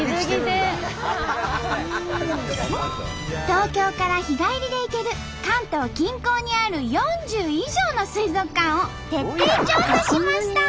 東京から日帰りで行ける関東近郊にある４０以上の水族館を徹底調査しました！